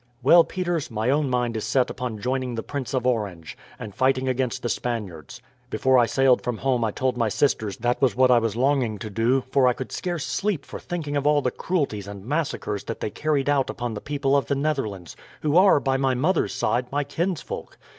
"Well, Peters, my own mind is set upon joining the Prince of Orange, and fighting against the Spaniards. Before I sailed from home I told my sisters that was what I was longing to do, for I could scarce sleep for thinking of all the cruelties and massacres that they carried out upon the people of the Netherlands, who are, by my mother's side, my kinsfolk.